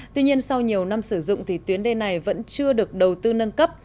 tuy nhiên sau nhiều năm sử dụng thì tuyến đê này vẫn chưa được đầu tư nâng cấp